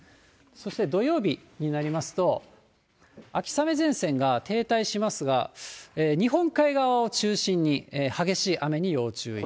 そして土曜日になりますと、秋雨前線が停滞しますが、日本海側を中心に激しい雨に要注意。